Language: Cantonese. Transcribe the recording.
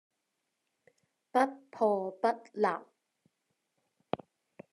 不破不立